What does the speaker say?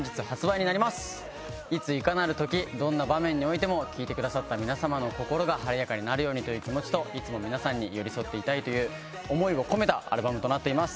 いついかなる時どんな場面においても聴いてくださった皆様の心が晴れるようにという気持ちといつも皆さんに寄り添っていたいという思いを込めたアルバムです。